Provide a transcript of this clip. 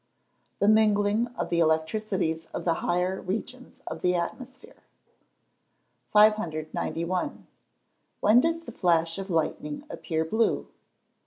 _ The mingling of the electricities of the higher regions of the atmosphere. 591. _When does the flash of lightning appear blue?